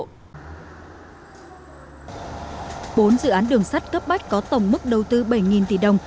bốn dự án đường sắt cấp bách có tổng mức đầu tư bảy tỷ đồng